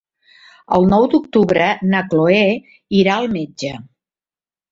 El nou d'octubre na Cloè irà al metge.